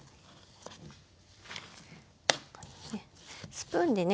スプーンでね